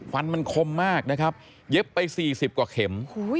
ฟันมันคมมากนะครับเย็บไป๔๐กว่าเข็ม